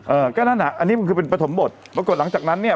เอ่อก็นั่นอ่ะอันนี้มันคือเป็นปฐมบทปรากฏหลังจากนั้นเนี่ย